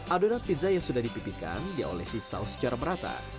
adonan pizza yang sudah dipipikan dia olesi saus secara merata